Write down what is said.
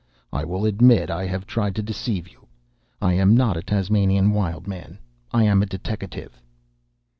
"I will admit I have tried to deceive you: I am not a Tasmanian Wild Man. I am a deteckative!"